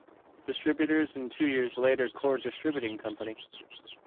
Distributors and two years later Chord Distributing Company.